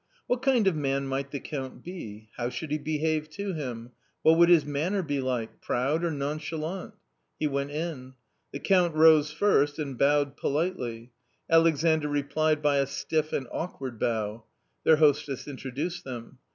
What kind of man might the Count be ? How should he behave to him ? what would his manner be like — proud, or nonchalant ? He went in. The Count rose first and bowed politely. Alexandr replied by a stiff and awkward bow. Their hostess introduced them.